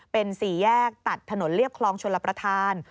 เป็นสี่แยกตัดถนนเรียบคลองชลประธาน